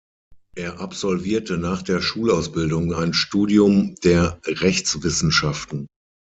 Er absolvierte nach der Schulausbildung ein Studium der Rechtswissenschaften.